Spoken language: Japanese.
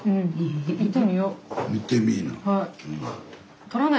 行ってみいな。